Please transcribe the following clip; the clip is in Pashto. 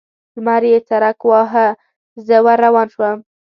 لمر چې څرک واهه؛ زه ور روان شوم.